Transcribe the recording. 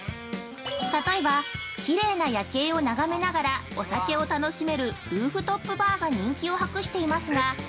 例えばきれいな夜景を眺めながらお酒を楽しめるルーフトップバーが人気を博していますが。